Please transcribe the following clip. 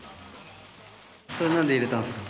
それなんで入れたんですか？